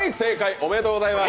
おめでとうございます。